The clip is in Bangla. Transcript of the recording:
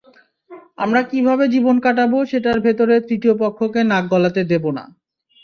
আমরা কীভাবে জীবন কাটাব সেটার ভেতরে তৃতীয় পক্ষকে নাক গলাতে দেব না।